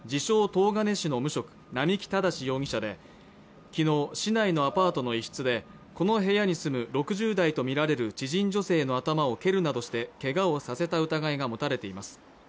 ・東金市の無職、並木正容疑者で昨日市内のアパートの一室でこの部屋に住む６０代と見られる知人女性の頭を蹴るなどしてけがをさせた疑いが持たれています